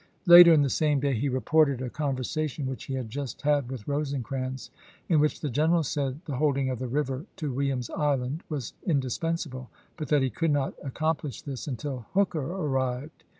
Later in the same day, he reported a conversation which he had just had with Rosecrans, in which the general said the holding of the river to Williams Island was indispensable, but that he could not ac complish this until Hooker arrived.